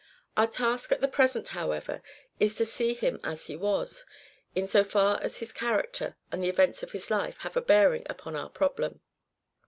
Our task at the present, however, is to see him as he was, in so far as his character and the events of his life have a bearing upon our problem.